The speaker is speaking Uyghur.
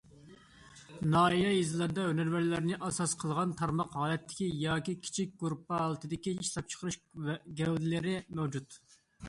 ناھىيە، يېزىلاردا ھۈنەرۋەنلەرنى ئاساس قىلغان تارقاق ھالەتتىكى ياكى كىچىك گۇرۇپپا ھالىتىدىكى ئىشلەپچىقىرىش گەۋدىلىرى مەۋجۇت.